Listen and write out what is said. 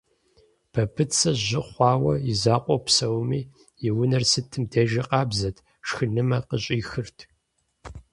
Бабыцэ жьы хъуауэ и закъуэу псэуми, и унэр сытым дежи къабзэт, шхынымэ къыщӏихырт.